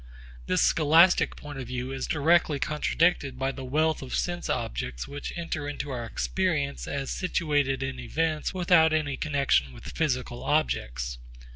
This scholastic point of view is directly contradicted by the wealth of sense objects which enter into our experience as situated in events without any connexion with physical objects.